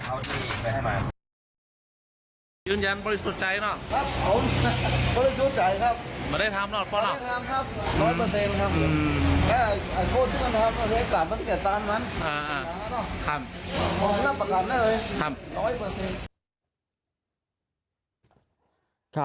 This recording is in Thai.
ออกมานั่งประกันได้เลยร้อยเปอร์เซ็นต์